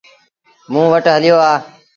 موݩ وٽ هليو آ۔